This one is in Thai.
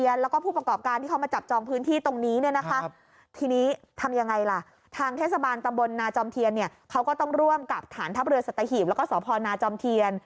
ขยะมันตามมาแล้วมันมีทุกวัน